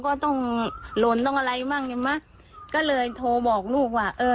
ก็ต้องหล่นต้องอะไรบ้างใช่ไหมก็เลยโทรบอกลูกว่าเออ